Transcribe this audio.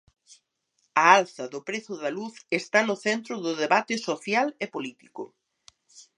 A alza do prezo da luz está no centro do debate social e político.